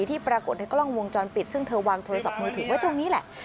ที่ปรากฏในกล้องวงจรปิดซึ่งเธอวางโทรศัพท์มือถือไว้ตรงนี้แหละ